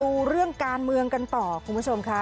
ดูเรื่องการเมืองกันต่อคุณผู้ชมค่ะ